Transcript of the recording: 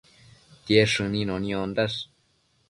Tied shënino niondash